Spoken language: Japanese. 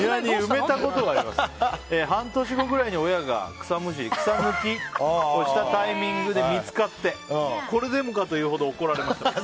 半年後くらいに親が草むしり草抜きをしたタイミングで見つかってこれでもかというほど怒られました。